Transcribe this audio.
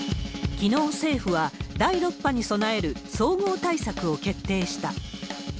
きのう、政府は第６波に備える総合対策を決定した。